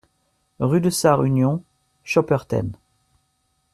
Rue de Sarre-Union, Schopperten